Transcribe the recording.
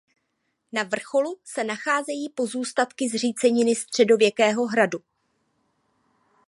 Na vrcholu se nacházejí pozůstatky zříceniny středověkého hradu.